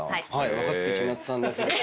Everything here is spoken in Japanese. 若槻千夏さんです。